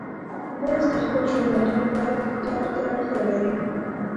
باز د خپل ژوندانه لپاره ښکار ته اړتیا لري